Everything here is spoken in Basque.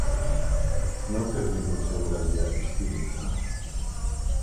Nork ez du inoiz eguraldia hizpide izan?